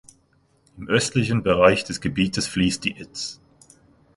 Im östlichen Bereich des Gebietes fließt die Itz.